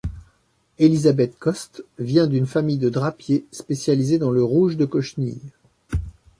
Elizabeth Coste vient d'une famille de drapiers spécialisés dans le rouge de cochenille.